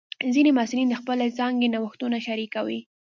ځینې محصلین د خپلې څانګې نوښتونه شریکوي.